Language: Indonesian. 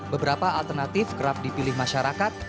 beberapa alternatif kerap dipilih masyarakat